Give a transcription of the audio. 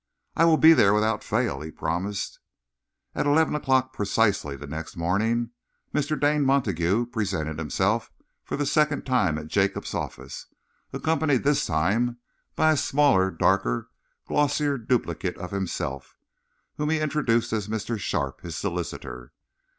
"I will be there without fail," he promised. At eleven o'clock precisely, the next morning, Mr. Dane Montague presented himself for the second time at Jacob's offices, accompanied this time by a smaller, darker and glossier duplicate of himself, whom he introduced as Mr. Sharpe, his solicitor.